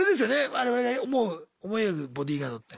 我々が思い描くボディーガードって。